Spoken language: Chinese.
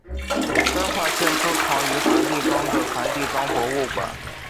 该画现收藏于梵蒂冈的梵蒂冈博物馆。